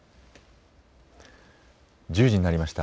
１０時になりました。